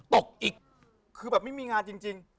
ตกอีกคือแบบไม่มีงานจริง